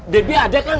dabby ada kang